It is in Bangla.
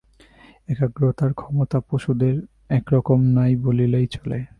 একাগ্রতার ক্ষমতা পশুদের একরকম নাই বলিলেই চলে।